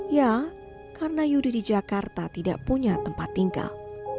ya karena yudi di jakarta tidak punya tempat tinggal